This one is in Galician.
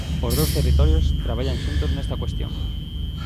Os dous territorios traballan xuntos nesta cuestión.